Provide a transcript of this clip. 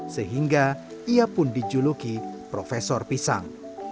sehingga ia pun dijuluki profesor pisang